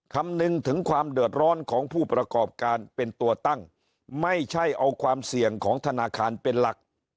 คำนึงถึงความเดือดร้อนของผู้ประกอบการเป็นตัวตั้งไม่ใช่เอาความเสี่ยงของธนาคารเป็นหลัก